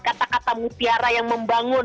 kata kata mutiara yang membangun